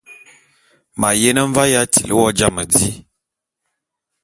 M’ ayene mvae ya tili wo jam di.